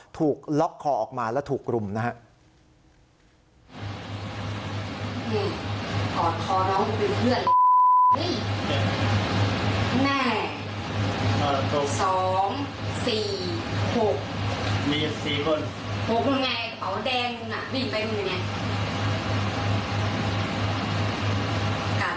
ถูกล็อกคอออกมาแล้วถูกรุมนะครับ